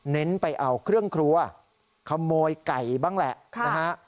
เน้นไปเอาเครื่องครัวขโมยไก่บ้างแหละนะฮะ